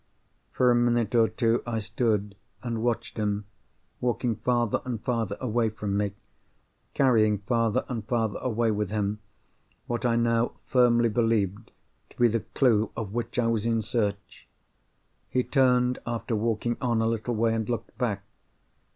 For a minute or more I stood and watched him, walking farther and farther away from me; carrying farther and farther away with him what I now firmly believed to be the clue of which I was in search. He turned, after walking on a little way, and looked back.